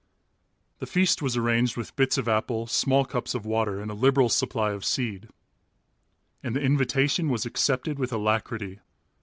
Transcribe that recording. The feast was arranged with bits of apple, small cups of water, and a liberal supply of seed. And the invitation was accepted with alacrity.